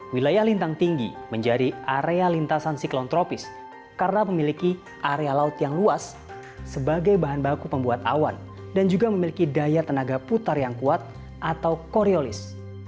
wilayah lintang tinggi menjadi area lintasan siklon tropis karena memiliki area laut yang luas sebagai bahan baku pembuat awan dan juga memiliki daya tenaga putar yang kuat atau koreolis